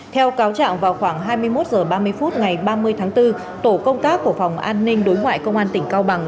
theo cáo trạng vào khoảng hai mươi một h ba mươi phút ngày ba mươi tháng bốn tổ công tác của phòng an ninh đối ngoại công an tỉnh cao bằng